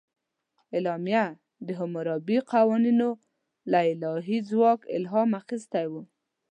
اعلامیه د حموربي قوانینو له الهي ځواک الهام اخیستی و.